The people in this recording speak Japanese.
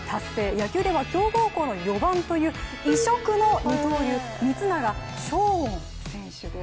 野球では強豪校の４番という異色の二刀流、光永翔音選手です。